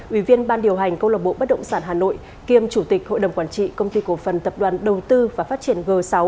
ủy viên ban điều hành câu lọc bộ bất động sản hà nội kiêm chủ tịch hội đồng quản trị công ty cổ phần tập đoàn đầu tư và phát triển g sáu